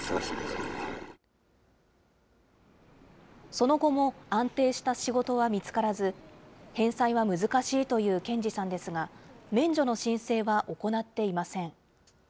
その後も安定した仕事は見つからず、返済は難しいという健二さんですが、免除の申請は行っていません。